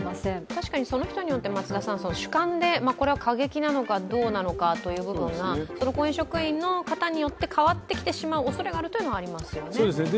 確かにその人によって主観で過激なのかどうなのかというのが公園職員の方によって変わってきてしまうというおそれがあるというのがありますよね。